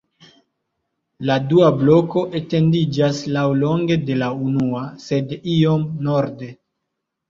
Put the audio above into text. La dua bloko etendiĝas laŭlonge de la unua, sed iom norde.